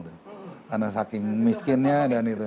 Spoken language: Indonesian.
karena saking miskinnya dan itu